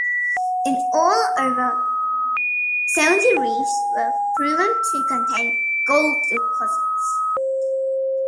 In all, over seventy reefs were proven to contain gold deposits.